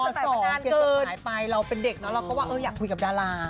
ป่านครขึ้นตลอดเครียบจอดหมายไปแล้วเราเป็นเด็กแล้วเราก็ว่าอยากคุยกับดารา